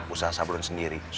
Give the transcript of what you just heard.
usaha sablon sendiri